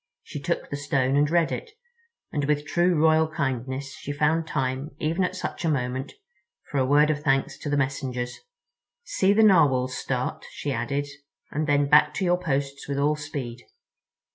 She took the stone and read it, and with true royal kindness she found time, even at such a moment, for a word of thanks to the messengers. "See the Narwhals start," she added, "and then back to your posts with all speed.